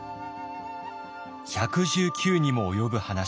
１１９にも及ぶ話。